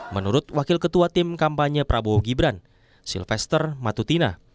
menurut wakil ketua tim kampanye prabowo gibran sylvester matutina